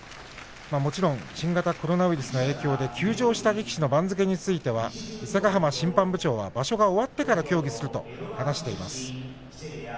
もちろん新型コロナウイルスの影響で休場した力士の番付については場所が終わってから協議するということです。